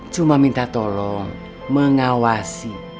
cuma minta tolong mengawasi